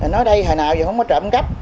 nói đây hồi nào giờ không có trộm cấp